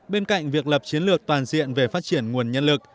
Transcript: bên cạnh việc lập chiến lược toàn diện về phát triển nguồn nhân lực